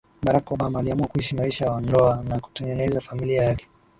Barack Obama aliamua kuishi maisha ya ndoa na kutengeneza familia yake